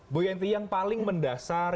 bu yenti yang paling mendasar